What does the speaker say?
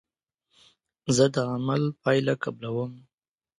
زه د عمل پایله قبلوم.